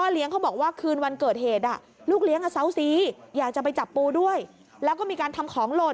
เลี้ยงอสาวซีอยากจะไปจับปูด้วยแล้วก็มีการทำของหล่น